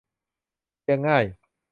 เพียงง่าย